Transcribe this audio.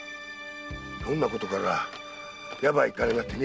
ひょんなことからやばい金が手に入ったんや。